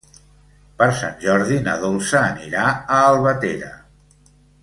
Per Sant Jordi na Dolça anirà a Albatera.